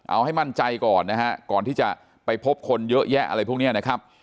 เอาให้มั่นใจก่อนนะฮะก่อนที่จะไปพบคนเยอะแยะอะไรพวกนี้นะครับ